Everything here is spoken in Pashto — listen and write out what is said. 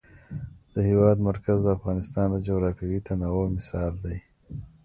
د هېواد مرکز د افغانستان د جغرافیوي تنوع مثال دی.